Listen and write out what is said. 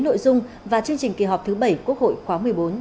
nội dung và chương trình kỳ họp thứ bảy quốc hội khóa một mươi bốn